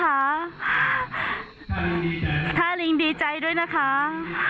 อันนี้ท่าลิงมาประชุมกันนะฮา